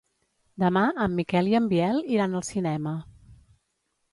Demà en Miquel i en Biel iran al cinema.